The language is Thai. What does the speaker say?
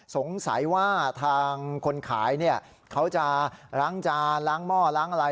สงสัยว่าทางคนขายเนี่ยเขาจะล้างจานล้างหม้อล้างอะไร